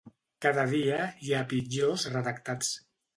Cada dia hi ha pitjors redactats